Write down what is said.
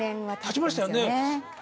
たちましたよね。